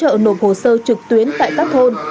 trợ nộp hồ sơ trực tuyến tại các thôn